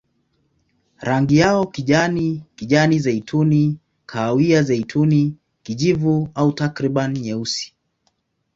Rangi yao kijani, kijani-zeituni, kahawia-zeituni, kijivu au takriban nyeusi.